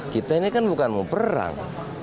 kita ini kan bukan mau perang